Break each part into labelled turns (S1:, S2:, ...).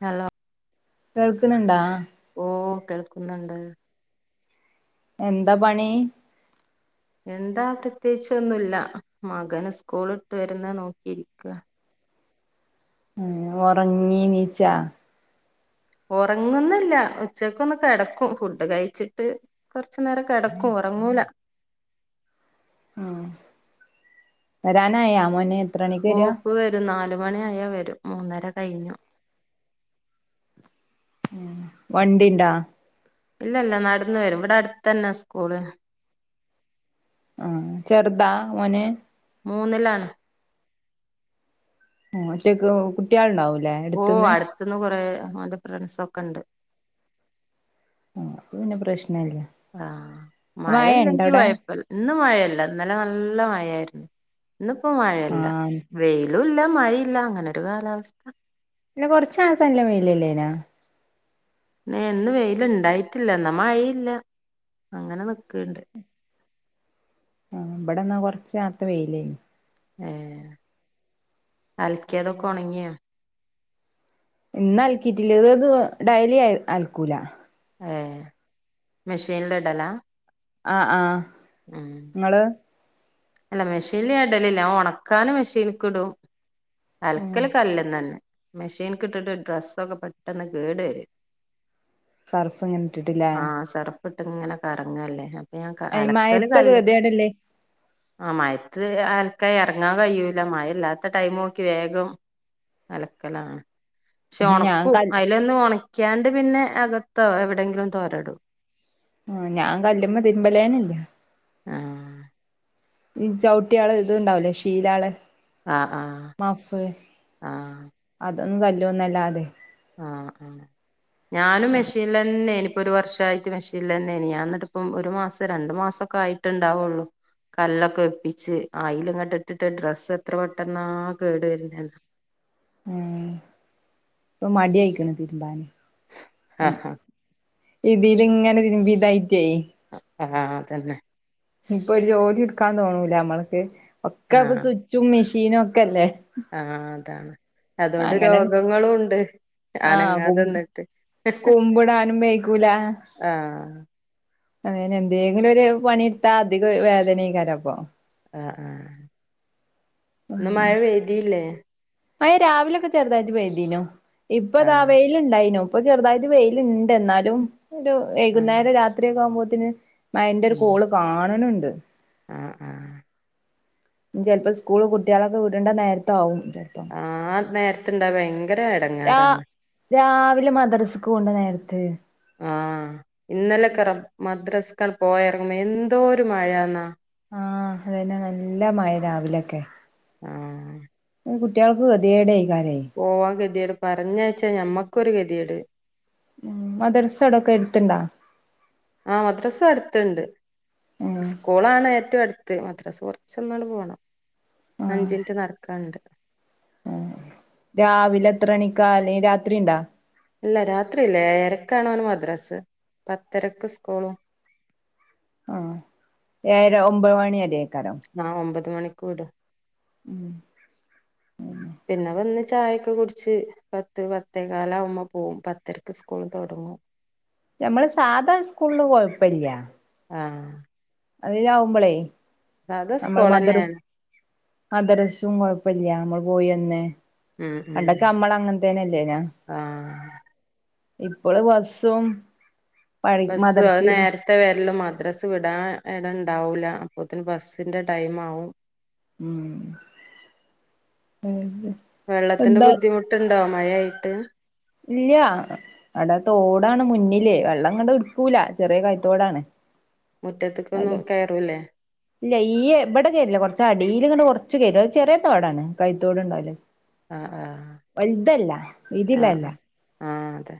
S1: Hello
S2: കേൾക്ക്ണ്ണ്ണ്ടാ?
S1: ഓ കേൾക്കുന്ന്ണ്ട്.
S2: എന്ത പണി?
S1: എന്താ പ്രത്യേകിച്ചൊന്നുല്ല. മകന് സ്ക്കൂള്ട്ട് വരുന്നഅ നോക്കിരിക്കാ.
S2: ഏ ഒറങ്ങിനീച്ചാ.
S1: ഒറങ്ങൊന്നല്ല. ഉച്ചക്കൊന്ന് കെടക്കു. ഫുഡ് കയ്ച്ച്ട്ട് കൊർച്ച് നേരം കെടക്കു. ഒറങ്ങൂല.
S2: ആഹ് വരാനായാ മോനെ
S1: ഓ പ്പ വരും നാല് മണിയായാ വരും. മൂന്നര കയിഞ്ഞൊ
S2: [inaudible] വണ്ടിണ്ടാ?
S1: ല്ലല്ല. നടന്ന് വരും. വ്ടട്ത്തന്നാ സ്ക്കൂള്.
S2: ആഹ് ചെർതാ മോന്?
S1: മൂന്നിലാണ്
S2: മ് ഒറ്റക്ക് കുട്ട്യോളുണ്ടാവൂല
S1: ഓ അടുത്ത്ന്ന് കുറെ മോന്റെ ഫ്രണ്ട്സ് ഒക്കെ ഇണ്ട്
S2: നമ്മൾക്ക് പിന്നെ പ്രശ്-
S1: ആഹ് മായ ഇല്ലകിൽ
S2: അവിടെ
S1: കുയപ്പില്ലാ ഇന്ന് മായില്ല ഇന്നലെ നല്ല മായയാരുന്ന് ഇന്ന് ഇപ്പം മഴയില്ല
S2: ആഹ്
S1: വെയിൽ ലും ഇല്ല മഴയും ഇല്ല അങ്ങനെ ഒരു കാലാവസ്ഥ
S2: പിന്നെ കുറച്ച് നേരാത്തനെ നല്ല വായിൽ അല്ലായിന
S1: ഇന്ന് വെയിൽഉണ്ടായിട്ടില്ല എന്നാ മഴയില്ല അങ്ങനെ നിക്കേണ്ട്
S2: ആഹ് ഇവിടെ ഇന്ന് കുറച്ച് നേരത്തെ വെയിലായിന്
S1: ആഹ് അൽക്കിയാതൊക്കെ ഉണങ്ങിയോ
S2: ഇന്ന് അൽക്കിട്ടില്ല ദു ഡെയിലി അൽ അൽക്കുല്ലാ
S1: ആഹ് മിഷന് ഇടലാ
S2: ആഹ് ആഹ്
S1: ഉം
S2: ഇങ്ങള്
S1: അല്ല മിഷിനിൽ ഞാൻ ഇടലില്ലാ ഞാൻ ഒണക്കാന് മിഷിനീക്ക് ഇടും അൽക്കല് കല്ല്ന്നെന്നെ മെഷീൻക്ക് ഇട്ടിട്ട് ഡ്രസ്സൊക്കെ പെട്ടെന്ന് കേട് വര
S2: സർഫ്ങ്ങിട്ട്ട്ടില്ലേ
S1: കിട്ട് ഇങ്ങനെകറങ്ങല്ലേ
S2: അത് മഴത്തൊക്കെ കെതിയേടല്ലേ അത്
S1: ആ മയത്ത് അൽക്കാ എറങ്ങാൻ കഴിയൂല്ല മഴ ഇല്ലാത്ത ടൈമോ ക്കി വേഗം അലക്കലാണ് പക്ഷെ
S2: ഞാൻ
S1: ഒണക്കും
S2: കൽ
S1: അതിലൊന്ന് ഒണ ക്കാണ്ട് പിന്നെ അകത്തോ എവിടെങ്കിലും തോരടും
S2: ആ ഞാൻ കല്ലുമ്മ തിരുമ്പലേനില്ല
S1: ആഹ്
S2: ഈ ചവിട്ടിയള് ഇത്ണ്ടാവലേ ഷീലാള്
S1: ആ ആ ആഹ്
S2: അതൊന്നും കല്ല്മന്നല്ലാതെ
S1: ആഹ് ആഹ് ഞാനും മെഷീനില്ന്നേനി ഇ ഇപ്പൊ ഒരു വർഷയിട്ട് മെഷീലെന്നേനി ഞാൻ ന്നിട്ട് ഇപ്പം ഒരു മാസം രണ്ടു മാസാക്കെ ആയിട്ട് ഇണ്ടാവുള്ളു കല്ലൊക്കെ വെപ്പിച്ച് ആയില്ല് ഇങ്ങട്ട് ഇട്ടിട്ട് ഡ്രസ്സ് എത്ര പെട്ടെന്നാ കേടു വരുന്നെന്നോ
S2: ആഹ് ഇപ്പൊ മടി അയിക്ക്ണ് തിരുമ്പാന്
S1: ആഹ്
S2: ഇതില് ഇങ്ങനെ തിര്മ്പിതായി ട്ടേ
S1: അ ഹാ അതെന്നെ
S2: ഇപ്പൊ ഒരു ജോലി ഇട്ക്കാൻ തോന്നൂല ണമ്മൾക്ക് ഒക്കെ ഇപ്പം
S1: ആഹ്
S2: സുച്ചും മിഷീ നൊക്കെ അല്ലേ
S1: ആഹ് അതാണ് അതുകൊണ്ട്
S2: അങ്ങനെന്നെ
S1: രോഗങ്ങളുണ്ട്
S2: ആഹ് കു
S1: അനങ്ങാതെന്നിട്ട്
S2: കുമ്പിടാനും
S1: ആഹ്
S2: അതെന്നെ എന്തെലും ഒരു പണിട്ത്താ അധിക വേദനേക്കാരം അപ്പൊ
S1: ആ ആ ഇന്ന്
S2: ഉം
S1: മഴ പെയ്തീല്ലേ
S2: മഴ രാവിലൊക്കെ ചെറുതായിട്ട് പെയ്തീനു ഇപ്പൊ ഇതാ
S1: ആഹ്
S2: വെയില് ഇണ്ടായിനൊ ഇപ്പൊ ചെറുതായിട്ട് വെയിലുണ്ട് എന്നാലും ഒരു
S1: ആഹ്
S2: വൈകുന്നേരം രാത്രിയൊക്കെ ആവുമ്പോ പിന്നെ മഴന്റെ ഒരു കോള് കാണ് ണ് ണ്ട് [unintelligible]
S1: ആ ആ
S2: ചിലപ്പോ സ്കൂള് കുട്ടികളൊക്കെ വിടണ്ട നേരത്ത് ആകും
S1: ആ നേരത്തെ എന്താ വേണ ഭയങ്കര
S2: രാ
S1: എടങ്ങേറാണ്
S2: രാവിലെ മദ്രസക്ക് പോണ്ട നേരത്ത്
S1: ആ ഇന്നലെ മദ്രസ പോയ ഇറങ്ങുന്ന എന്തൊരു മഴയന്നാ
S2: ആ അതന്നെ നല്ല മഴ രാവിലൊക്കെ
S1: ആ
S2: കുട്ടികൾക്ക് [unintelligible] തിയട ആായി
S1: പോവാൻ ഗതിയേട് പറഞ്ഞയച്ചാ ഞമ്മക്കൊരു ഗതികേട്
S2: മദ്രസയുടൊക്കെ എടുത്തിണ്ടാ
S1: ആ മദ്രാസ അടുത്തുണ്ട്
S2: ഏഹ്
S1: സ്കൂളാണ് ഏറ്റവും അടുത്ത് മദ്രാസ് കുറച്ചൊന്നാണ് പോണം
S2: ആഹ്
S1: അഞ്ചുമിനിറ്റ് നടക്കാണ്ട്
S2: ആഹ് രാവിലെ എത്ര മണിക്കാല് രാത്രി ഉണ്ടാ
S1: ഇല്ല രാത്രിയില്ല ഏഴരക്കാണ് അവന് മദ്രാസ് പത്തരക്ക് സ്കൂളും
S2: ആ ഏഴര ഒമ്പത് മണിവരെ
S1: നാളെ ഒമ്പത് മണിക്കൂട്
S2: ഉം
S1: പിന്നെ വന്നി ചായയൊക്കെ കുടിച്ച് പത്ത് പത്തേ കാലാവുമ്പ പോകും പത്തരക്ക് സ്കൂൾ തൊടങ്ങും
S2: ഞമ്മള് സാധാ സ്കൂള്ന് കൊഴപ്പില്ല
S1: ആ
S2: അതിലാവുമ്പളേ നമ്മൾ മദരസ്
S1: സ്കൂളെന്നേണ്
S2: മദരസും കുഴപ്പില്ല നമ്മൾ ഓ തന്നെ
S1: ഉം ഉം
S2: ഇടക്ക് ഞമ്മൾ അങ്ങനെ തന്നെല്ലേ
S1: ആഹ്
S2: ഇപ്പൾ ബസഉം
S1: ബസൊ നേരത്തെ വരെല്ല മദ്രാസ് വിടാനാ ഇട ഉണ്ടാവൂല്ല അപ്പത്തിന് ബസ്സിന്റെ ടൈം ആവും
S2: ഉം
S1: വെള്ളത്തിന്റെ
S2: എന്താ
S1: ബുദ്ധിമുട്ടുണ്ടോ മഴയാ തെ
S2: ഇല്ല്യ അട തോടാണ് മുന്നില് വെള്ളം ഇങ്ങട് ഉടുക്കൂല ചെറിയ കൈ ത്തോടാണ്
S1: മുറ്റത്ത്ക്കൊന്നും
S2: അലോ
S1: കയറൂലേ
S2: ഇല്ല ഈ ഇവിടെ കേറില്ല കുറച്ച് അടില് ക കൊറ [unintelligible] ചെറിയ തോടാണ് കൈത്തോടുണ്ടാവല്
S1: ആഹ് ആഹ്
S2: വൽതല്ല
S1: ആഹ്
S2: ഇതില്ലല്ല
S1: ആഹ് ആഹ് അതെ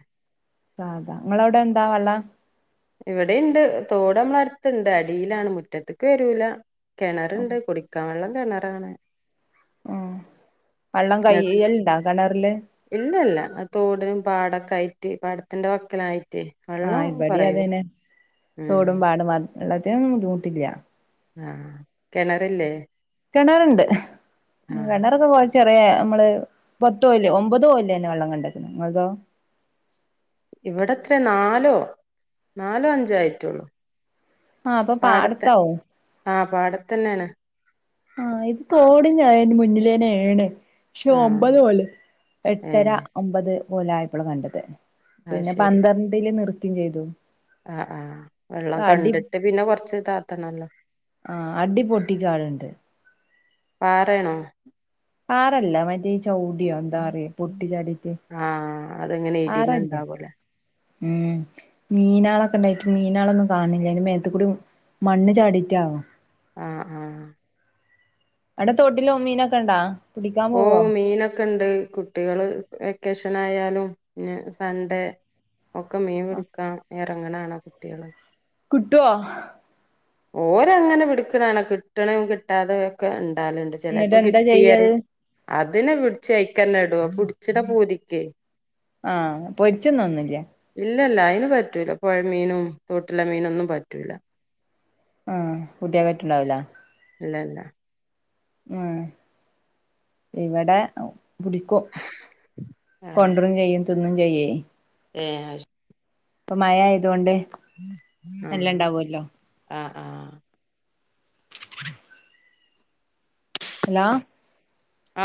S2: സാധാ നിങ്ങളവിടെ എന്താ വെള്ള
S1: ഇവിടെണ്ട് തോട് നമ്മടടുത്തുണ്ട് അടിയിലാണ് മുറ്റത്തക്ക് വരൂല്ല കിണറുണ്ട് കുടിക്കാൻ ഉളള വെ കളറാണ്
S2: ആ വള്ളം കൈയ്യ്ല്ണ്ടാ കെണറ്ല്
S1: ഇല്ല ഇല്ല ആ തോടിനും പാടക്കയ്ട്ട് പാടത്തിന്റെ വക്കിലാ
S2: ആ ഇബിടേം അത് നേ
S1: ഉം
S2: തോടും പാടും ന്ന് വെള്ളത്തിനൊന്നും ബുദ്ധിമുട്ടില്ല
S1: അ ആ കെണറില്ലേ
S2: കെണറ്ണ്ട് കെണറൊക്കെ കോർ ചെറിയ അമ്മള് പത്തോല് ഒമ്പതോൽ ലേന്നെ വെള്ളം കണ്ട്ക്ക്ന് ഇങ്ങൾതോ
S1: ഇവിടെത്ര നാലോ നാലോ അഞ്ചോ ആയിട്ടോള്ളു
S2: ആഹ് അപ്പൊ
S1: പാടത്ത്
S2: പാടത്താവും
S1: ആ പാടത്തന്നെണ്
S2: ആ ഈ തോടി നാ യന് മുന്നിലേനാണ് പക്ഷെ
S1: ആ
S2: ഒമ്പത് പോലെ
S1: ഏ
S2: എട്ടര ഒമ്പത് പോലായപ്പോളാ കണ്ടത്
S1: അത്
S2: പിന്നെ
S1: ശരി
S2: പന്ത്രണ്ടില് നിർ ത്യം ചെയ്തു
S1: ആ ആഹ് വെള്ളം
S2: അടി
S1: കണ്ടിട്ട് പിന്നെ കൊറച്ച് താത്തണല്ലോ
S2: ആഹ് അടി പൊട്ടിച്ചാടുണ്ട്
S1: പാറയാണോ
S2: പാറല്ല വലിയ ചൗടിയോ എന്താറയാ പൊട്ടി ചാടിയിറ്റ്
S1: ആ അതിങ്ങനെ ഇടിന്
S2: പറല്ല
S1: ഇണ്ടാവൂലേ
S2: മ് മീനാളെ കണ്ടായിട്ട് മീനാളാന്നും കാണില്ല അയ്ന്റെ മേത്തുകൂടി മണ്ണ് ചാടിയ്റ്റാവും
S1: ആഹ് ആഹ്
S2: അവിടെ തോട്ടില് ഉ മീനൊക്കെ ഇണ്ടാ പിടിക്കാൻ
S1: ഓ
S2: പോവോ
S1: മീനൊക്കെ ഇണ്ട് കുട്ടികള് വെക്കേഷന് നായാലും ഞ് സൺ‌ഡേ ഒക്കെ മീൻ പിടിക്കാ എ ക്കങ്ങനാണ് കുട്ട്യോള്
S2: കിട്ടുവോ
S1: ഓര് അങ്ങനെ മിടുക്കനാണ് കിട്ടണം കിട്ടാതെയൊക്കെ ഇണ് ട്ടാനുണ്ട്
S2: എന്നിട്ട്
S1: ചിലപ്പോ
S2: എന്താ
S1: കിട്ടിയാര്
S2: ചെയ്യത്
S1: അതിനെ പിടിച്ചു അഴിക്കന്നെടും പുടച്ച്ണ പൂതിക്കെ
S2: ആ പൊരിച്ച തിന്നൊന്നൂല്ല്യേ
S1: ല്ല ല്ലാ അയ്ന് പറ്റൂല്ല പൊഴ മീനും തോട്ടിലെ മീനും ഒന്നും പറ്റൂല
S2: ആഹ് കുട്ടിയേക്ക് പറ്റ്ണ്ടാവുല
S1: ഇല്ല ഇല്ലാ
S2: മ് ഇവടെ ഇവിടെക്കോം
S1: ആഹ്
S2: കൊണ്ടാരേം ചെയ് തിന്നും ചെയ്യേ
S1: ഏ
S2: പ്പ മയ ആയത്കൊണ്ട്
S1: ആഹ് ആ
S2: [inaudible] ഹലോ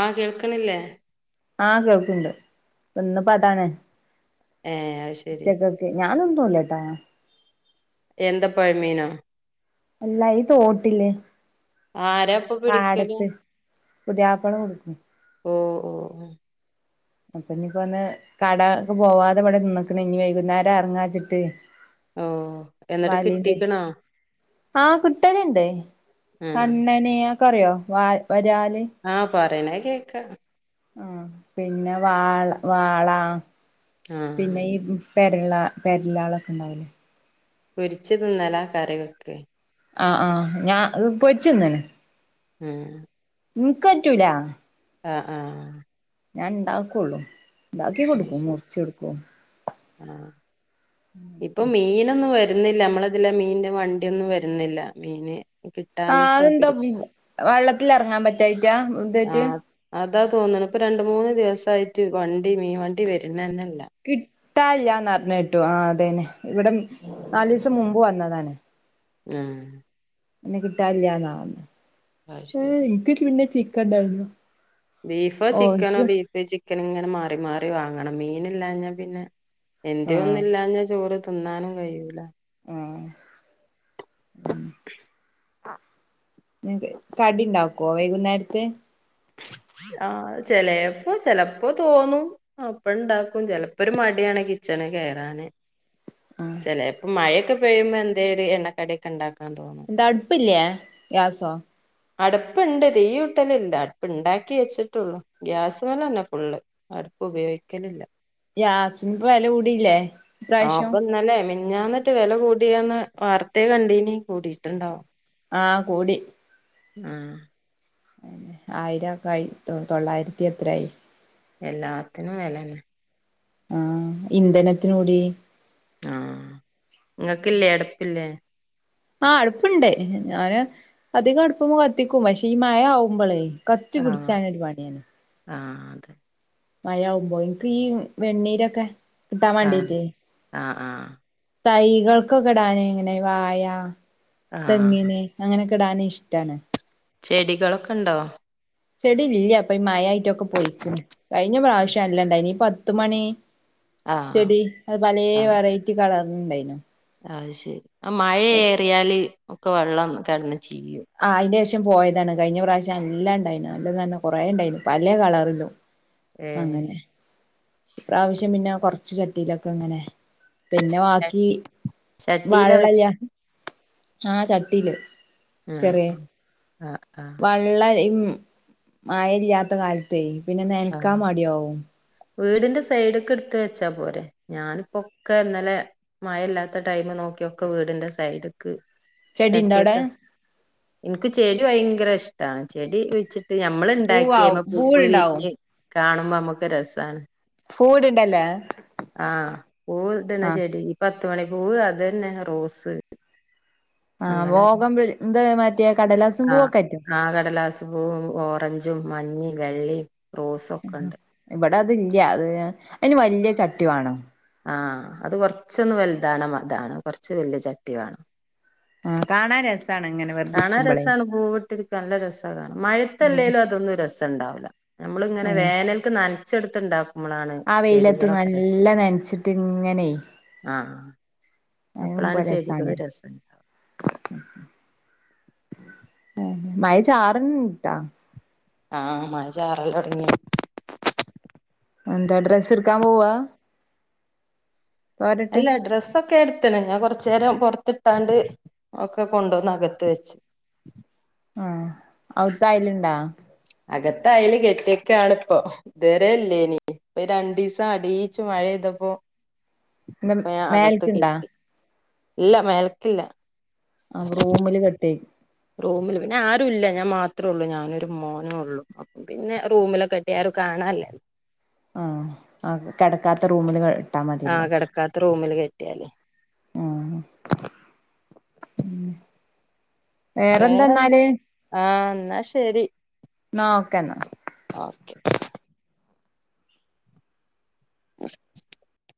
S1: ആഹ് കേൾകണില്ലേ?
S2: ആഹ് കേൾക്കുണ്ട് പിന്നെ പാട്ടാണെ
S1: ഏ അത് ശെരി
S2: ഉച്ചക്കേക്ക് ഞാ അയ്നൊന്നുല്ലാട്ടാ
S1: എന്ത് പൊഴമീനാ
S2: അല്ല ഈ തോട്ടിലെ
S1: ആരാ അപ്പോ പിടിക്കല്
S2: പുതിയാപ്പിള പിടിക്കും
S1: ഓ ഓഹ് ഹും
S2: അപ്പോ ഇനിപ്പൊന്ന് കടക്കു പോവാതെ ഇവിടെ നിന്നേക്കണ് ഇനി വൈകുന്നേരം ഇറങ്ങാച്ചിട്ട്
S1: ഓഹ് എന്നിട്ട്
S2: വലയും തെറ്റി
S1: കിട്ടിക്കണാ
S2: ആഹ് കിട്ടല്ണ്ട് അങ്ങനെയാ ക്കറിയോ വാ വരാല്
S1: വേണേൽ കേക്കാ
S2: ആഹ് പിന്നെ വാ വാള
S1: ആഹ്
S2: പിന്നെ [unintelligible]
S1: പെരിച്ച് തിന്നലാ കറിവെയ്ക്കാ
S2: അ ആഹ് പൊരിച്ചു തിന്നണ്
S1: ഉം
S2: എനിക്ക് പറ്റൂല
S1: ആ ആഹ്
S2: ഞാൻ ഉണ്ടാക്കുള്ളു
S1: അത് ശരി ആഹ് ഇപ്പോ മീനെന്നും വരുന്നില്ല നമ്മളിതിലെ മീൻ്റെ വണ്ടി ഒന്നും വരുന്നില്ല മീന്
S2: ആഹ്
S1: കിട്ടാഞ്ഞിട്ടാ
S2: അതെന്താ
S1: പിടിക്ക
S2: വെള്ളത്തി വെള്ളത്തിൽ ഇറങ്ങാൻ പറ്റാ [unintelligible]
S1: എന്താ തോന്നുണ് ഇപ്പാ രണ്ടു മൂന്ന് ദിവസായിട്ട് വണ്ടി മീൻവണ്ടി വരുന്ന തന്നെ
S2: കിട്ടാൻ ഇല്ലാ അറിഞ്ഞ കേട്ടു ഇവിടെ നാല് ദിവസം മുൻപ് വന്നതാണ്
S1: ആഹ്
S2: പിന്നെ കിട്ടാനില്ലാതെ ആവും
S1: അത്
S2: ഏയ് ഇല്ലേൽ പിന്നെ ചിക്കൻ കണ്ടാരുന്നു
S1: ബീഫ് ചിക്കന് ബീഫ് ചിക്കന് ഇങ്ങനെ ഇങ്ങനെ മാറി മാറി വാങ്ങണം മീനില്ലാഞ്ഞാ പിന്നെ എന്തേയ്
S2: ആഹ്
S1: ഒന്നൂലാഞ്ഞ ചോറ് തിന്നാനും കഴിയൂല
S2: ഉം [inaudible] കടി ഉണ്ടാക്കുമോ വൈകുന്നേരത്തെ
S1: [inaudible] ചെലയപ്പം ചെലപ്പോൾ തോന്നും അപ്പോൾ ഉണ്ടാക്കും ചിലപ്പോൾ ഒരു മടി ആണ് കിച്ചണിൽ കേറാൻ ചെലയപ്പം മഴയെക്കെ മഴപെയ്യുമ്പോൾ എന്തേലും എണ്ണ കടിയെക്കെ ഉണ്ടാക്കാൻ തോന്നും
S2: ന്താ അടുപ്പ് ഇല്ലേ ഗ്യാസോ
S1: അടുപ്പ് ഉണ്ട് തീ കുത്തലില്ല അടുപ്പ് ഉണ്ടാക്കി വെച്ചിട്ടുള്ളു ഗ്യാസിനാത്ത് തന്നെ ഫുൾ അടുപ്പ് ഉപയോഗിക്കലില്ല
S2: ഗ്യാസിന് ഇപ്പോ വില കൂടിയില്ലേ ഇപ്രാവിശ്യം
S1: ഞാൻ എന്നിട്ട് വില കൂടിയോന്ന് വാർത്തയിൽ കണ്ടയ്ന് കൂടിട്ടുണ്ടോ
S2: ആ കൂടി
S1: ആ
S2: ആയിരമൊക്കെയായി തൊള്ളായിരത്തി എത്ര ആയി
S1: എല്ലാത്തിനും വില തന്നെ
S2: ആ ഇന്ധനത്തിന് കൂടി
S1: ആ നിങ്ങക്കില്ലേ അടുപ്പില്ലേ
S2: ആ അടുപ്പുണ്ട് ഞാനാ അധികം അടുപ്പ് കത്തിക്കു.. പക്ഷേ മഴ ആകുമ്പോഴേ കത്തി
S1: ആ
S2: പിടിച്ചാ [unintelligible]
S1: ആ
S2: മഴ ആകുമ്പോ എനി [unintelligible]
S1: ആ ആ
S2: തൈകൾക്കൊക്കെ ഇടാനേ ഈ വാഴ
S1: ആ
S2: തെങ്ങിന് അങ്ങനൊക്കെ ഇടാന് ഇഷ്ടാണ്
S1: ചെടികൾ ഒക്കെ ഉണ്ടോ
S2: ചെടി ഇല്ല ഇപ്പോ മഴയായിട്ടൊക്കെ പോയിരിക്കണ് കഴിഞ്ഞ പ്രാവശ്യം ഉണ്ടായിരുന്നു ഈ പത്തു മണി
S1: ആ
S2: ചെടി അത് പല വെറയിറ്റി കളർ ണ്ടേന
S1: അതു ശരി മഴയേറിയാല് കൊള്ളാം [unintelligible]
S2: ആ അതിനു ശേഷം [unintelligible] പോയതാണ് കഴിഞ്ഞ പ്രാവശ്യം എല്ലാം ഉണ്ടായിരുന്നതാണ് [inaudible] കുറെ ഉണ്ടായിരുന്നു പല കളറിലും
S1: ഏ
S2: അങ്ങനെ ഈ പ്രാവശ്യം പിന്നെ കുറച്ച് ചട്ടിയിലൊക്കെ ഇങ്ങനെ പിന്നെ ബാക്കി
S1: ചട്ടിയിലാ
S2: വഇളല്ല.
S1: വെച്ച്
S2: ആ ചട്ടിയില്.
S1: ങ്അ ങ ആ ആ
S2: വള ഉം മഴയില്ലാത്ത കാലത്തേ പിന്നെ
S1: ആ
S2: നനക്കാൻ മടിയാവും.
S1: വീടിന്റെ സൈഡിലൊക്കെ എടുത്ത് വച്ചാ പോരെ ഞാനിപ്പോ ഒക്കെ ഇന്നലെ മഴയില്ലാത്ത ടൈമ് നോക്കി ഒക്കെ വീടിന്റെ സൈഡിക്ക്
S2: ചട്ടിയുണ്ടോ അവിടെ?
S1: എനിക്ക് ചെടി ഭയങ്കര ഇഷ്ടാണ് ചെടി വെച്ച് ത് നമ്മൾ
S2: പൂവാവും
S1: ഉണ്ടാക്കിയപ്പ പൂവ്
S2: പൂവുണ്ടാവും
S1: വിരിഞ്ഞ്. കാണുമ്പം നമ്മക്ക് രസാണ്.
S2: പൂവിടുണ്ടില്ലെ?
S1: ങഅ പൂ ഇടണ ചെടി ഇപ്പ പത്ത് മണിപൂ, അതെന്നെ റോസ്.
S2: [unintelligible] പൂവൊക്കെ പറ്റും
S1: ങഅ ആ കാലാസും പൂ, ഒറഞ്ചും. മഞ്ഞി, വെള്ളി റോ സൊക്കെണ്ട്.
S2: അത് ഇല്ല അത് ന് അതിന് വല്ല്യ ചട്ടി വാണം.
S1: ആഹ് അത് കൊർച്ചൊന്ന് വൽതാണ് വ അതതാണ് കൊർച്ച് വല്യ ചട്ടി വാണം
S2: ആഹ് കാണാൻ രസ
S1: കാണാൻ രസാണ്, പൂവിട്ടിരിക്ക നല്ല രസാ കാണാ മഴത്തല്ലേലും അതൊന്നും രസണ്ടാവൂല. നമ്മള് ഇങ്ങനെ
S2: ആഹ്
S1: വേനൽക്ക് നല്ല [unintelligible]
S2: ആ വെയിലത്ത് നല്ല നൻച്ചിട്ട് ഇങ്ങനെ
S1: ആഹ്
S2: അതാവുമ്പോ
S1: അപ്പളാണ് ചെടികളും
S2: രസാണ്
S1: രസണ്ടാ
S2: മഴ ചാർ ണ് ണ്ട് ട്ടോ
S1: ആഹ് മഴ ചാറലൊടങ്ങി
S2: എന്താ ഡ്രസ് ഇട്ക്കാ പോവാ? തോരട്ട്
S1: അല്ല ഡ്രസൊക്കെ എട് ഞൻ കൊറച്ചേരം പൊർ തിട്ടാണ്ട് ഒക്കെ കൊണ്ടോന്ന് അകത്ത് വെച്ച്
S2: ആഹ് ഔത്തയല് ഇണ്ട
S1: അകത്തയ്ല് കേട്ടയ്കാണ് ഇപ്പം ഇത് വരെ ഇല്ലേനി ഇപ രണ്ടീസം അടീച്ച് മഴ പെയ്തപ്പം
S2: ന്ത മേൽക് ഇണ്ടാ
S1: ഇല്ല മേലക്കില്ല
S2: റൂമില് കെട്ടി
S1: റൂമിൽപിന്നെആരും ഇല്ല ഞാൻ മാത്രേ ഒള്ളു ഞാനും ഒരുമോനും ഒള്ളു അപം പിന്നെ റൂമിൽ കെട്ടി ആരും കാണാല്ലല്ലോ
S2: ആഹ് കെടകാത്ത റൂമില് ഇട്ടാ
S1: ആഹ്
S2: മതിയല്ലോ
S1: കെടകാത്ത റൂമിൽ കേ ട്ടിയാല്
S2: ആഹ് [unintelligible]
S1: വേറെന്താ?
S2: വേറെന്താന്നാല്
S1: ആഹ് എന്ന ശരി
S2: ഇന്നാ ഓകെന്നാ
S1: ഓകെ [unintelligible]